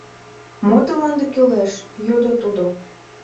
— Мо тыланда кӱлеш? — йодо тудо.